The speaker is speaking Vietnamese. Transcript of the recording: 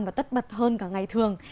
và tất bật hơn cả ngày thường